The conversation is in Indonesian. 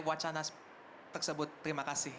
wacana tersebut terima kasih